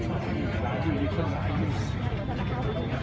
แม่กับผู้วิทยาลัย